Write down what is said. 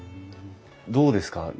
どうですか？